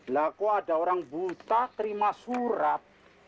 lah kok ada orang buta terima surat